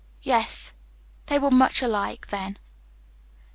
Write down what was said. Yes, they were much alike then."